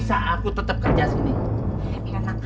saya do francesca di tikertan